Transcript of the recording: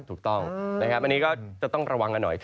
ถูกต้องนะครับอันนี้ก็จะต้องระวังกันหน่อย